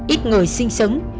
ít người sinh sống